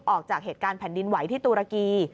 ออกจากเหตุการณ์แผ่นดินไหวที่ตุรกี